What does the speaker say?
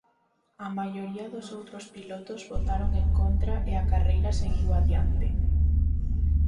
A maioría dos outros pilotos votaron en contra e a carreira seguiu adiante.